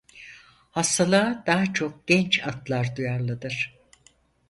Hastalığa daha çok genç atlar duyarlıdır.